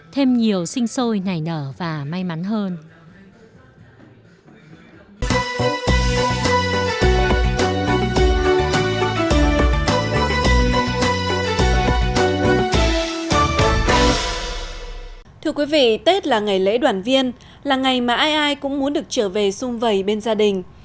tết là ngày lễ đoàn viên là ngày mà ai ai cũng muốn được trở về sung vầy bên gia đình